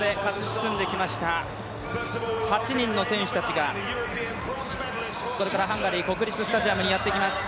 決勝まで勝ち進んできました８人の選手たちが、これからハンガリー国立スタジアムにやってきます。